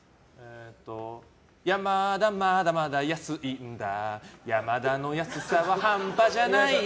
やまだまだまだ安いのだヤマダの安さは半端じゃないよ。